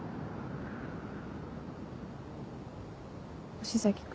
星崎君。